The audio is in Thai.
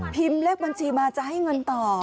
เลขบัญชีมาจะให้เงินต่อ